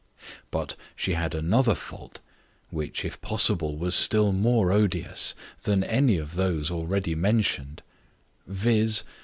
But she had another fault, which, if possible, was still more odious, than any of those already mentioned viz.